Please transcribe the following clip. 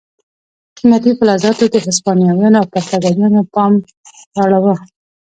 قیمتي فلزاتو د هسپانویانو او پرتګالیانو پام را اړاوه.